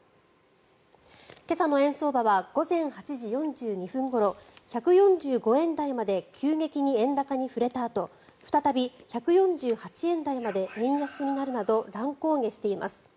今朝の円相場は午前８時４２分ごろ１４５円台まで急激に円高に振れたあと再び１４８円台まで円安になるなど乱高下しています。